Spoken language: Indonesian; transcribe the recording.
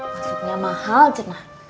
masuknya mahal cetna